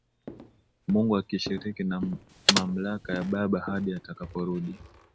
Mungu akishiriki mamlaka ya Baba hadi atakaporudi